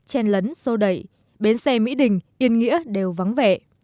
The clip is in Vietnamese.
hành khách trên lấn sâu đẩy bến xe mỹ đình yên nghĩa đều vắng vẻ